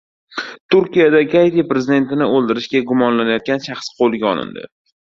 Turkiyada Gaiti prezidentini o‘ldirishda gumonlanayotgan shaxs qo‘lga olindi